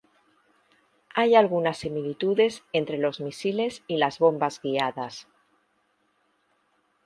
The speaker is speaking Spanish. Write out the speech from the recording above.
Hay algunas similitudes entre los misiles y las bombas guiadas.